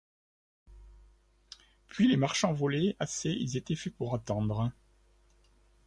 Puis, les marchands volaient assez, ils étaient faits pour attendre.